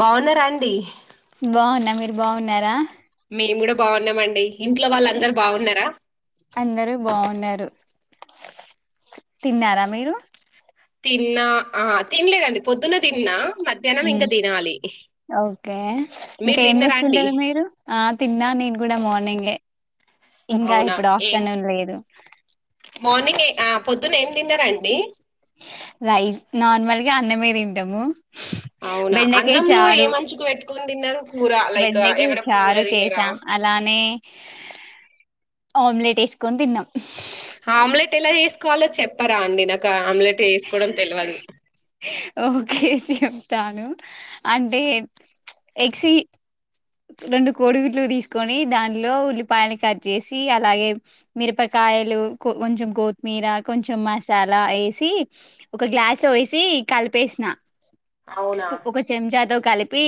బాగున్నారా అండి? బాగున్నా మీరు బాగున్నారా బాగున్నామండి. ఇంట్లో వాళ్లందరూ బాగున్నరా? అందరూ బాగున్నరు. తిన్నారా మీరు? తిన్నా, ఆ తిన్లెదండి పొద్దున తిన్నా, మధ్యానం ఇంక తినాలి. ఓకే ఇంక మీరు ఏం తిన్నారా అండి చేస్తుంటారు మీరు? ఆ తిన్నా నేను కూడా మా నింగే అవునా ఏం మార్నింగే ఆమ్ పొద్దున ఏం తిన్నరండి? రైస్, నార్మల్గా అన్నమే తింటము. అవునా బెండకాయి అన్నంలో చారు ఏం అంచుకు పెట్టుకొని తిన్నారు కూర లైక్ బెండక ఏమైనా కూర చారు తిన్నారా చేసాం అలానే ఆమ్లెట్ వేసుకొని తిన్నమ్ ఆమ్లెట్ ఎలా ఎసుకోవాలో చెప్పరా అండి, నాకు ఆమ్లెట్ ఎసుకోవడం తెల్వదు. ఓకే చెప్తాను. అంటే ఎగ్ చీ రెండు కోడిగుడ్లు తీసుకొని, దానిలో ఉల్లిపాయని కట్ చేసి, అలాగే మిరపకా కాయలు కొంచెం కొత్మీర, కొంచెం మసాలా ఏసీ ఒక గ్లాస్ లో ఏసీ కలిపేసిన, అవునా స్పూ ఒక చెంచా తో కలిపి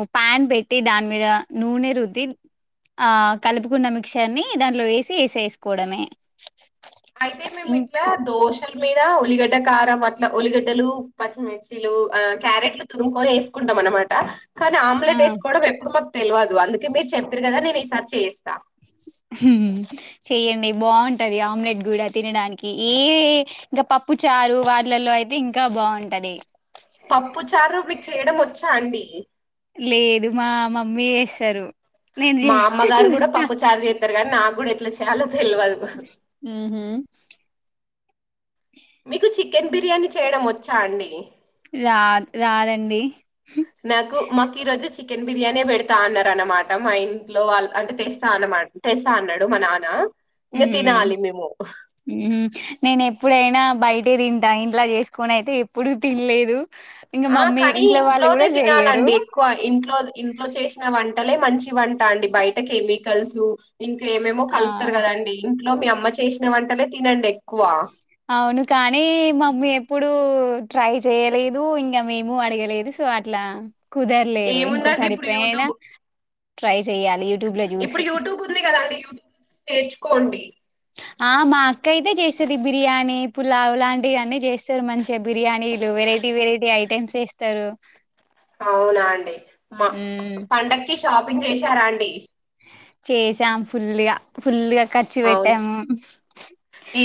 ఉ పాన్ పె దాని మీద నూనె రుద్ది ఆ కలుపుకున్న మిక్స్చర్ ని దాంట్లో ఏసీ, ఏసేసుకోవడమే. అయితే మేము ఇం ఇట్లా దోసల్ మీద ఉల్లిగడ్డ కారం అట్ల, ఉల్లిగడ్డలు, పచ్చిమిర్చిలు, క్యారెట్లు తురుముకొని ఏసుకుంటాం. మన మాట కానీ ఆ! ఆమ్లెట్ వేసుకోడం ఎప్పుడు మాకు తెలియదు అందుకనే చెప్పిరు కదా నేను ఈసారి చేస్తా మ్ చేయండి బాగుంటంది ఆమ్లెట్ కూడా తినడానికి ఏ ఇంకా పప్పు చ చారు వాటిలలో అయితే ఇంకా బాగుంటది పప్పు చారు మీకు చేయడం వచ్చా అండి లేదు మా మమ్మీ చేస్తరు మా అమ్మగారు కూడా పప్పు చార్ చేత్తారు కానీ నాకు కూడా ఎట్లా చేయాలో తెలవదు ఉం మీకు చికెన్ బిర్యానీ చేయడం వచ్చా అండి రాద్ రాదండి నాకు మాకు ఈరోజు చికెన్ బిర్యానీ పెడతా అన్నారు అనమాట మా ఇంట్లో వాళ్ళు అంటే తెస్తా అన్నమాట తెస్తా అన్నాడు మా నాన్న ఇంకా ఉమ్ తినాలి మేము నేను ఎప్పుడైనా బయ ఉంటే తింటా ఇంట్లా చేసుకోని అయితే ఎప్పుడు తినలేదు ఇంకా ఆ మమ్మీ కానీ ఇంట్లో వాళ్ళు ఇంట్లోదే కూడా చెయ్యరు తినాలండి ఎక్కువ ఇంట్లోదె ఇంట్లో ఇంట్లో చేసిన వంటలే మంచి వంట అండి బయట కెమికల్స్ ఇంక ఏమేమో ఆ కలుపుతరు కదండి ఇంట్లో మీ అమ్మ చేసిన వంటలే తినండి ఎక్కువ అవును కానీ మమ్మీ ఎప్పుడు ట్రై చేయలేదు ఇంగ మేము అడగలేదు సో అట్ల కుదరలేదు ఏముందండి ఇంకోసారి ఇప్పుడు ఎప్పుడైనా యూట్యూబ్ ట్రై చెయ్యాలి యూట్యూబ్ లో ఇప్పుడు చూసి యూట్యూబ్ ఉంది కదా అండి యూట్యూబ్ చూసి నేర్చుకోండి ఆ మా అక్క అయితే చేస్తది బిర్యానీ పులావు లాంటివన్నీ చేస్తార మంచిగా బిర్యానీ వెరైటీ వెరైటీ ఐటమ్స్ చేస్తరు అవునా అండి మ పండగకి షాపింగ్ చేశారా అండి చేసాం ఫుల్ గ ఫుల్ గ ఖర్చు అవునా పెట్టాము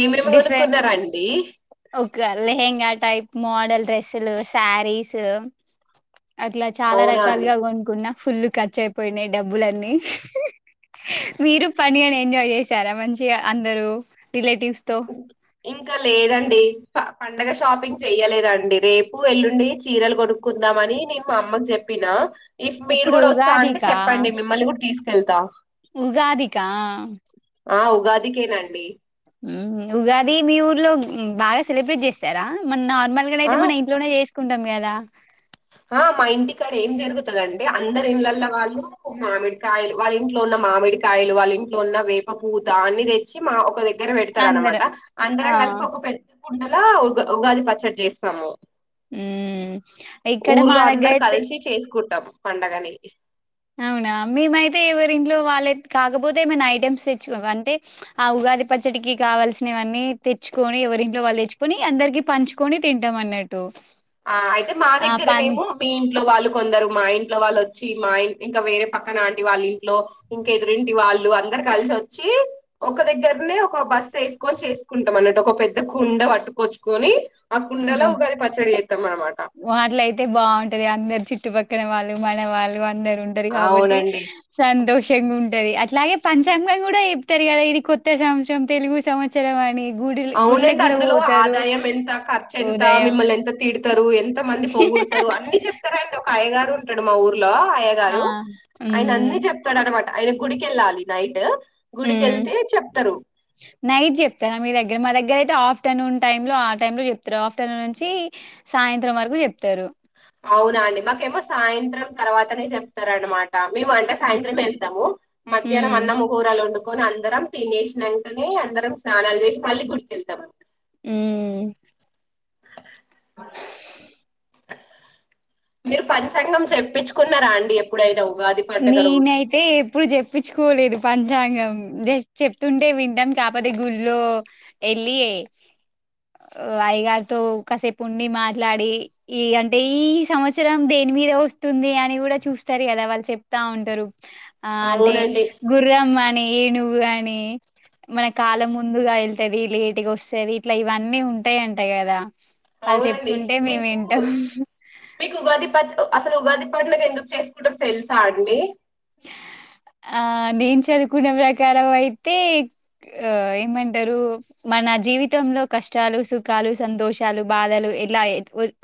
ఏమేమి డిఫరెంట్ కొనుక్కున్నారండి గా లెహన్గా టైప్ మోడల్ డ్రెస్సులు శారీస్ అట్లా చాలా అవునా అండి రకాలుగా కొనుక్కున్న ఫుల్ ఖర్చు అయిపోయినాయి డబ్బులన్నీ మీరు పనిని ఎంజాయ్ చేసారా మంచిగా అందరుూ రిలేటివ్ ఇంక లేదండి పండగ షాపింగ్ చెయలేదండి రేపు ఎల్లుండి చీరలు కొనుక్కుందామని నేను మా అమ్మకు చెప్పి నేనా ఇఫ్ మీరు ఇప్పుడు కూడ వస్తా అంటే ఉగాదికా చెప్పండి మిమ్మల్ని కూడా తీసుకెళ్తా ఉగాదికా ఆ ఉగాదికెనాం ఉగాది మీ ఊర్లో బాగ సెలబ్రేట్ చేస్తరా మన నార్మల్ గా ఆ అయితే మన ఇంట్లోనే చే కుంటాం కదా ఆ మా ఇంటికాడ ఏం జరుగుతుదంటే అందరి ఇలల్ల వాళ్ళు మామిడికాయ వాళ్ళ ఇంట్లో న్న మామిడికాయలు వాళ్ళ ఇంట్లో ఉన్న వేప పూత అన్ని తెచ్చి మా ఒక్గ దగ్గర అందరు పెడతారనమాట ఆ! అందరం కలిపి ఒక పెద్ద కుండలో ఉ ఉగాది పచ్చడి చేస్తాము ఉ ఊర్లో అందరు కలిసి చేసుకుంటాం పండగని అవునా మేమైతే ఎవరింట్లో వాళ్ళ కాకపోతే ఏమైనా ఐటమ్స్ తెచ్చుకో అంటే ఆ ఉగాది పచ్చడికి కావాల్సినవివన్నీ తెచ్చుకొని ఎరి ఇంట్లో వాళ్ళు తెచ్చుకొని అందరికి పంచుకొని తింటాం అన్నట్టు ఆ అయితే మా దగ్గరనేమ మీ ఇంట్లో వాళ్ళు కొందరు మా ఇంట్లో వాళ్ళు వచ్చి మా ఇంకా వేరే పక్క నాటి వాళ్ళ ఇంట్లో ఇంక ఎదురింటి వాళ్ళు అందరు కలిసి వచ్చి ఒక దగ్గరనే ఒక బస్ వేసుకొని చేసుకుంటాం అన్నట్టు ఒక పెద్ద కుండ పట్టు కొచ్చుకొని ఆ కుండలో ఉగాారి పచ్చడి అ వాట్ల అయితే బాగుంటది అందరు చుట్టుపక్కన వాళ్ళు మనవాళ్ళు అందరు ఉంటారు కాబట్టి అవునండి. సంతోషంగా ఉంట ది అలాగే పంచాంగం కూడా చెప్తారు కదా ఇది కొత్త సంవత్సరం తెలుగు సంవత్సరం అని గుడిల్ గుడ్లకు అవునండి గూడా అందులో పోతారు. ఆదాయం ఎంత ఖర్చు ఎంత ఉదయం మిమ్మల్ని ఎంత తీడుతరూ ఎంత మంది పొగొడతారు అన్ని చెప్తారుండి ఒక అయ్యగారు ఉంటాడు మా ఊరు లో అయ్య ఆ! గారు ఆయన హ్మ్. అన్ని చెప్తాడనమాట ఆయన గుడికి వెళ్ళాలి నైట్ గుడికెళ్తే చెప్తరు. నైట్ చెప్తారా మీ దగ్గ గ మా దగ్గర అయితే ఆఫ్టర్నూన్ టైమ్ లో ఆ టై లో చెప్తారు ఆఫ్టర్నూన్ నుంచి సాయంత్రం వరకు చెప్తారు అవునా అండి మాకేమో సాయంత్రం తర్వాతనే చెప్తారనమాట మేము అంటే సాయంత్రం వెళ్తాము మధ్యాహ్నం హ్మ్. అన్నము కూరలు ఉండు కొని అందరం తినేసినంకానే అందరం స్నానాలు చేసి మళ్ళీ గుడికెళ్తాం ఉమ్ మీరు పంచాంగం చెప్పించుకున్నారా అండి ఎప్పుడైనా ఉగాది పండుగ రోజు నేనైతే ఎప్పుడు చెప్పించుకోలేదు పంచాంగం జస్ట్ చెప్తుంటే వింటాం కాకపోతే గుళ్ళో వెళ్లి అయగారితో కా కాసేపు ఉండి మాట్లాడి ఈ అంటే ఈ సంవత్సరం దేని మీరే వస్తుంది అని కూడా చూస్తారు కదా వాళ్ళు చెప్ వతా ఉంటారు ఆ అంటే అవునండి గుర్రం అని ఏనుుగు అని మన కాలం ముందుగా వెళ్తుది లేటిగా వస్తుది ఇట్లా ఇవన్నీ ఉంటాయింటాయి కదా అవునండి మీకు మీకు ఉగాది పచ్చ అసలు ఉగాది పండగ ఎందుకు చేసుకుంటారో తెెల్స్ అండి ఆ నేను చదువుకున్న ప్రకారం అయితే ఆ ఏమంటారు మన జీవ జీవితంలో కష్టాలు సుఖాలు సంతోషాలు బాధలు ఎలా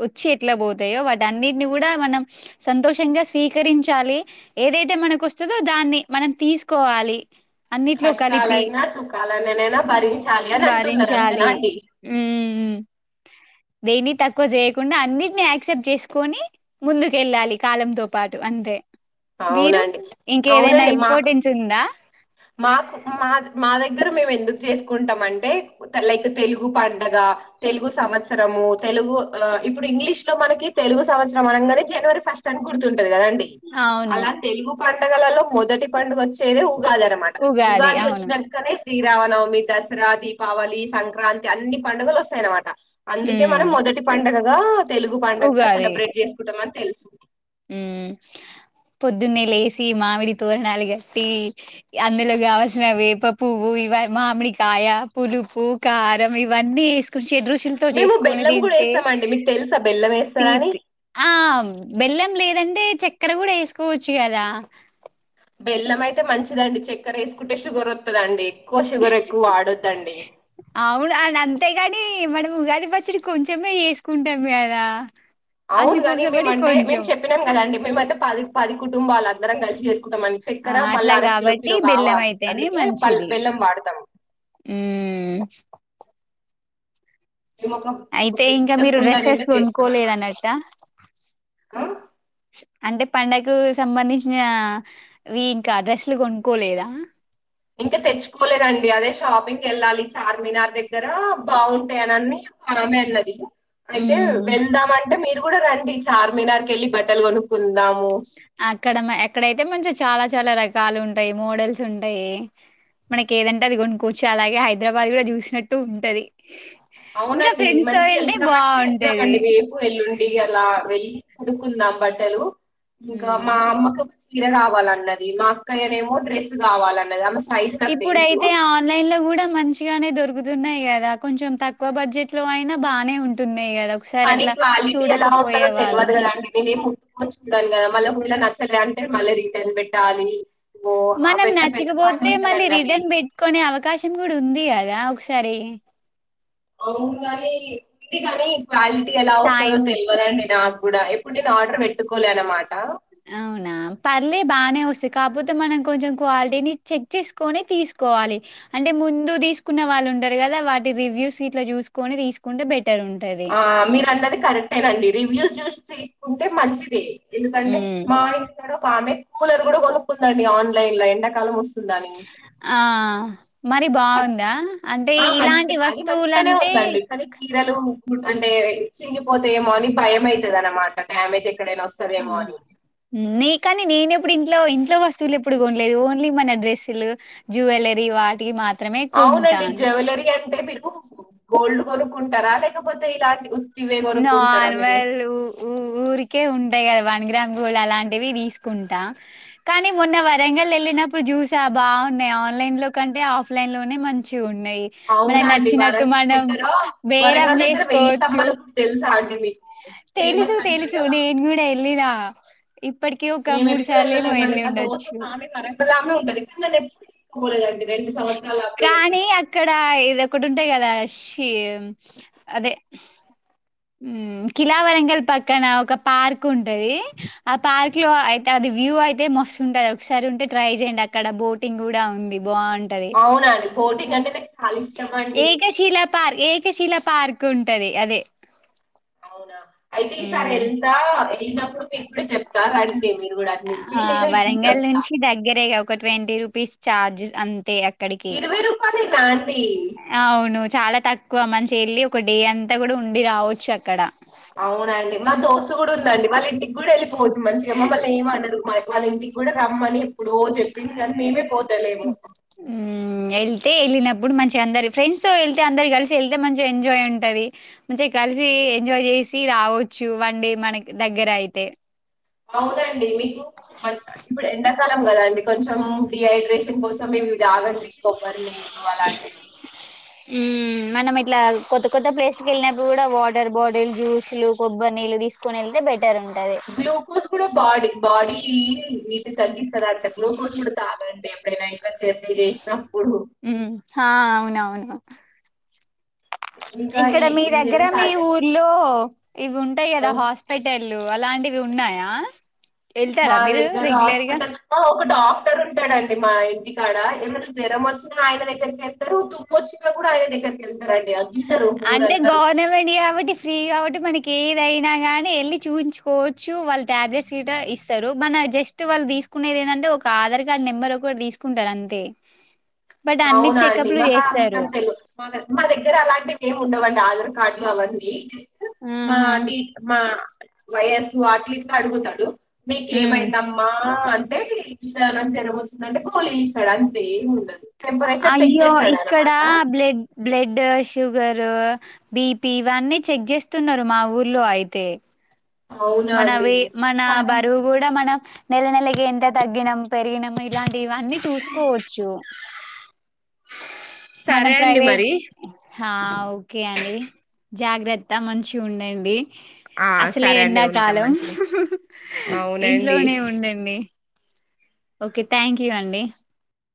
వచ్చి ఎట్లా పోతాయో వట్టల్ని అన్నిటిని కూడా మనం సంతోషంగా స్వీకరించాలి ఏదైతే అతే మనకు వస్తుందో దాన్ని మనం తీసుకోవాలి అన్నిట్లో కలిపి కష్టాలైనా సుఖాలైనానైనా భరించాలి అని అంటున్నారు అంతనా అండి ఉమ్ దేన్ని తక్కువ చేయకుండా అన్నిటిని యాక్సెప్ట్ చేసుకొని ముందుకుళ్ళాలి కాలంతో పాటు అ అదే మీరు అవునండి ఇంకేదైనా అవునండి మా ఇంపార్టెన్స్ ఉందా మాకు మా మా దగ్గర మేము ఎందుకు చేసుకుంటాం అంటే లైక్ తెలుగు పండగ తెలుగు సంవత్సరము తెలుగు ఇప్పుడు ఇంగ్లీష్ లో మనకి తెలుగు సంవత్సరం అనగానే జనవరి ఫస్ట్ అని గుర్తుంటది కదండి అవును. అలా తెలుగు పండుగలలో మొదటి పండుగ వచ్చేది ఉగాది అనమాట ఉగాది వచ్చినకనే శ్రీరామనవమి దసరా దీపావళి సంక్రాంతి అన్ని పండుగలు వస్తాయన్నమాట అందుకే మనం హ్మ్ మొదటి పండుగగా తెలుగు పండుగగా సెలబ్రేట్ చేసుకుంటాం అని తెలుసు ఉమ్ పొద్దున్నే లేసి మామిడి తోరణాలు కట్టి అందులో కావల్సిన వేప పువ్వు ఇ మామిడికాయ పులుపు కారం ఇవన్నీ వేసు కొంచ షడ్రుచులు మేము చేసుకొని బెల్లం కూడా తింటే వేస్తామండి మీకు తెలుసా బెల్లం వేస్తారా అని తీపి ఆ బెల్లం లేదంటే చక్కర కూడా వేసుకోవచ్చు కదా బెల్లం అయితే మంచిదండి చెక్కెర వేసుకుంటే షుగర్ వస్తుందండి ఎక్కువ షుగర్ ఎక్కువ వాడొద్దండి అవును అని అంతేగాని మనం ఉగాది పచ్చడి కొంచమే చేసుకుంటాం కదా అవును నీ మేము అందుకోసమని అంటే మేము కొంచెం చెప్పినాం కదండి మేమయితే పది పది కుటుంబాలు అందరం కలిసి చేం కుంటాం ఆ చక్కర అట్లా మళ్ళా అరకిలో కాబట్టి కిలో బెల్లం కావాలి అందుకే బల్ బెల్లం వాడతాం ఉమ్ మేము ఒక ఒక అయితే ఇంకా పెద్ద మీరు కుండ డ్రెస్సెస్ నిండా చేస్తాం కొనుకోలేద అనమాట అన్నట్ట అంటే పండకు సంబంధించిన ఇంకా డ్రెస్సులు కొనుక్కోలేదా ఇంకా తెచ్చుకోలేదండి అదే షాపింగ్ వెళ్ళాలి చార్మినార్ దగ్గర బాగుంటాయినిన్ని అ మేళది అయితే హ్మ్ వెళ్దాం అంటే మీరు కూడా రండి చార్మినార్ కెళ్ళి బట్టలు కొనుక్కు అక్కడమే అక్కడైతే మంచిగ చాలా చాలా రకాలు ఉంటయి మోడల్స్ ఉంటయి మనకి ఏదంటే అది కొనుక్కోవచ్చు అలాగే హైదరాబాద్ కూడా చూసినట్టు ఉంటది ఇంకా అవునండి ఫ్రెండ్స్ తో మంచిగ వెళ్తే వెళ్దామంటే బావుంటది వెళ్దామండి రేపు ఎల్లుండి అలా వెళ్ళి కొనుకు కుందాం బట్టలు ఇంకా హ్మ్ మా అమ్మకి చీర కావాలన్నది మా అక్కయనేమో డ్రెస్ కావాలన్న ఇప్పుడయితే ఆన్లైన్ లో కూడా మంచిగనే దొరుకుతున్నయి కదా కొంచెం తక్కువ బడ్జెట్ లో అయినా బానే ఉంటున్నయి కదా ఒకసారి కానీ అట్లా క్వాలిటీ ఎలా ఉంటందో చూడకపోయే వాళ్ళు తెలియదు కదా అండి మేమేం ముట్టుకొని చూడము కదా మళ్ల కుడా నచ్చలే అంటే మళ్ళ రిటర్న్ పెట్టాలి ఓ ఆ మనం పెద్ద పెద్ద పని నచ్చకపోతే మళ్ళీ ఉంటదండి అది. రిటర్న్ పెట్టుకునే అవకాశం కూడా ఉంది కదా ఒకసా సరే అవును కానీ ఉంది కానీ క్వాలిటీ ఎలా వస్తదో టైం తెలివదండి నాక్ కూడా ఎప్పుడు నేను ఆర్డర్ పెట్టుకోలే అన్నమాట అవునా పర్లే బానే వస్తాయి కాకపోతే మనం కొంచెం క్వాలిటీని చెక్ చేసుకుని తీసు కోవాలి అంటే ముందు తీసుకున్న వాళ్ళు ఉంటారు కదా వాటి రివ్యూస్ ఇట్లా చూసుకొని తీసుకుంటే బెట్ ఆ మీరు అన్నది కరెక్టేనండి రివ్యూస్ చూసి తీసుకుంటే మంచిది ఎందుకంటే ఉమ్. మా ఇంటి కాడ ఒక ఆమె కూలర్ కూడా కొనుక్కుందండి ఆన్లైన్ లో ఎండాకాలం వస్ ఆ మరి బాగుందా అంటే ఆ ఇలాంటి మంచిగా అది మంచిగానే వస్తువులంటే ఉందండి కానీ చీరలు కు అంటే చింగిపోతయేమో అని భయం ఐతదనమాట డ్యామేజ్ ఎ ఆ నీకని నేనెప్పుడు ఇం లో ఇంట్ల వస్తువులు ఎప్పుడు కొనలేదు ఒన్లీ మన డ్రస్సులు జ్యువెలరీ వాటికి మా అవునండి జువెలరీ అంటే మీరు గోల్డ్ కొనుక్కుంటారా లేకపోతే ఇలాంటి ఉ నార్మల్ ఉ ఊరికే ఉంటయి కదా వన్ గ్రామ్ గోల్డ్ అలాంటివి తీసుకుంటా కానీ మొన్న వరంగల్ వెళ్ళినప్పుడు జూసా బాగున్నయ్ ఆ ఆన్లైన్ లో కంటే ఆఫ్లైన్ లోనే మంచిగు న్నయి మనకి అవునా అండి నచ్చినట్టు వరంగల్ మనం దగ్గర బేరం చేసుకోవచ్చు తెల్సా అం తెలుసు తెలుసుు నేన్ కూడా ఎలినా ఇప్పటిక ఒక మేము మూడు సార్లు ఏమో ఎల్లి ఉండొచ్చు ఒకామె ఉంటది ఎప్పుడు నను ఎప్పుడు తీసుకపోలేదండి కానీ అక్కడ ఇది ఒకటి ఉంటది కదా ఇష్ అదే కిలా వరంగల్ పక్కన ఒక పార్క్ ఉంటది ఆ పార్క్ లో అయితే అది వ్యూ అయితే మస్తు ఉంటది ఒకసారి ఉంటే ట్రై చేయండి అక్కడ బోటింగ్ కూడా ఉంది బావుంటది. అవున అండీ బొటింగ్ అంటే నాకు చాలా ఇష్టం అండి ఏకశిలా పార్క్ ఏకశిల పార్క్ ఉంటది అదే న అయితే ఈసారి హ్మ్. ఎళ్తా వెళ్ళినప్పుడు మీకూడా చెప్తా రండి మీర్ ఆ వరంగల్ నుంచి దగ్గరేగా ఒక ట్వంటీ రూపీస్ ఛార్జెస్ అంతే అ కడికి ఇరవై రూపాయలేనా అండి ఆ అవును చాలా తక్కువ మంచి వెళ్ళి ఒక డే అంతా కూడా ఉండి రావచ్చు అక్కడ అవునండి మా దోస్త్ కూడా ఉందండి వాళ్ళ ఇంటికి కూడా వెళ్ళిపోవచ్చు మంచిగా మమ్మల్ని ఏమనరు మ వాళ్ళ ఇంటికి కూడా రమ్మని ఎప్పుడో చెప్పింది కానీ మేమే పోత ఉ ఊ ఎళ్తే ఇప్పుడు మంచిగా అందరి ఫ్రెండ్స్ తో వెళ్తే అందరి కలిసి వెళ్తే మంచి ఎంజాయ్ ఉంటది మంచిగా కలిసి ఎంజాయ్ చేయ్ చ్చసి రావచ్చు వండి మనకి దగ్గర అయితే అవునండి మీకు మ ఇప్పుడు ఎండ కలం కదండి కొంచెం డిహైడ్రేషన్ కోసం ఇవి తాగండి కొబ్బరిని నువు అలాంటివి ఊ మనం ఇట్లా కొత్త కొత్త ప్లేస్ ల వెళ్ళినప్పుడు కూడా వాటర్ బాటిల్ జ్యూస్లు కొబ్బరి నీళ్లు తీసుకుని ఎళ్తే బె గ్లూకోస్ గుడ బాడీ బాడీ ఈ నీటి తగ్గిస్తరా అంటే గ్లోకోల్ కూడా తాగాంటే ఎప్పుడైనా ల జర్నీ చేసినప్పుడు మ్మ్ హా అవునవును ఇంకా ఇక్కడ ఇ మీ ఇవి దగ్గర, తెలుసా మీ అండి మీకు? ఊర్లో ఇవి ఉంటయి ఆ! కదా హాస్పిటల్ లు అలాంటివి ఉన్నాయా? మా వెళ్తారా మీరు దగ్గర రెగ్యులర్ గా హాస్పిటల్ ఒక డాక్టర్ ఉంటడండి మా ఇం ఇంటి కాడ ఏమైనా జ్వరం వచ్చినా ఆయన దగ్గరకే ఎళ్తరు, దుప్పు వచ్చినా కూడా ఆయన దగ్గరకే ఎళ్త అంటే గవర్నమెంట్ కాబట్టి ఫ్రీ కాబట్టి మనకి కేదైన గాని ఎళ్ళి చూయించుకోవచ్చు, వాళ్ టాబ్లెట్స్ గిట్ట ఇస్తరు, మన జస్ట్ వాళ్ళు తీ తీసుకునేది ఏంటంటే ఒక ఆధార్ కార్డు నెంబర్ ఒక తీసుకుంటరు అంతే. బట్ అన్ని అవునా అండి, చెకప్‌లు మాకు ఆ చేస్తారు. విషం తెలవదు, మా ద మా దగ్గర అలాంటి టె ఏం ఉండవండి ఆధార్ కార్డులు అవన్నీ జస్ట్ మా ఆహా! డీ మా వయస్సు అట్ల ఇట్ల అడుగుతడు, హ్మ్. నీకేమైందమ్మా ఆ అంటే నాకు జరం వచ్చిందంటే, గోలి ఇస్తడు అంతే ఏం ఉండదు. టెంపరేచర్ చెక్ అయ్యో చేస్తాడు ఇక్కడ అన్నమాట బ్లడ్ బ్లడ్ డ్ షుగరు, బిపి ఇవన్నీ చెక్ చేస్తున్నరు మా ఊర్లో అయితే. అవునా అండి మనవి మన సరే బరువు గూడ మనం నెల నెలకి ఎంత తగ్గినం, పెరిగినం ఇలాంటివన్నీ చూసుకోవచ్చు. మన సరే అండి ప్రైవేట్, మరి హా ఒకే అండి జాగ్రత్త మంచిగ ఉండండి. ఆ సరే అండి, ఉం హలో, ఇంట్లోనే ఉండండి. ఓకే థ్యాంక్ యూ అండి.